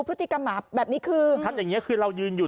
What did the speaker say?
พฤติกรรมหมาแบบนี้คือคัดอย่างนี้คือเรายืนอยู่